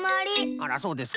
あらそうですか。